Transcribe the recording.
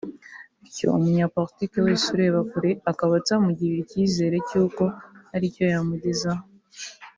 bityo umunyapolitiki wese ureba kure akaba atamugirira icyizere cy’uko hari icyo yamugezaho